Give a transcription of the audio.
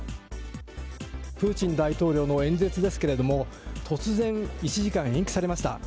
プーチン大統領の演説ですけれども、突然、１時間延期されました。